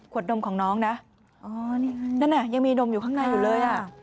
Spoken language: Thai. ขวดนมของน้องนะนั่นละยังมีนมอยู่ข้างหน้าอยู่เลยละ